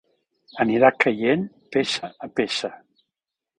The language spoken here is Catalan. Anirà caient peça a peça.